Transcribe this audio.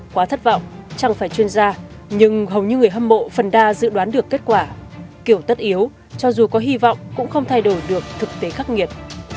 quá thất vọng chẳng phải chuyên gia nhưng hầu như người hâm mộ phần đa dự đoán được kết quả kiểu tất yếu cho dù có hy vọng cũng không thay đổi được thực tế khắc nghiệt